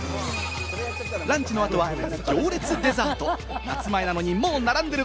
ランチの後は行列デザート、夏前なのにもう並んでる。